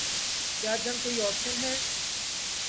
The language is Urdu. کیا جنگ کوئی آپشن ہے؟